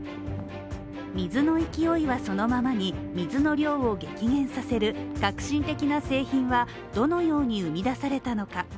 水の勢いはそのままに、水の量を激減させる革新的な製品はどのように生み出されたのか。